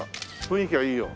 雰囲気がいいよ。